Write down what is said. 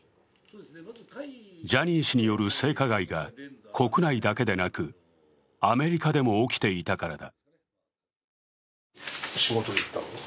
ジャニー氏による性加害が国内だけでなくアメリカでも起きていたからだ。